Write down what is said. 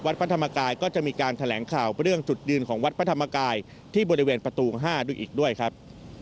พระธรรมกายก็จะมีการแถลงข่าวเรื่องจุดยืนของวัดพระธรรมกายที่บริเวณประตู๕ด้วยอีกด้วยครับ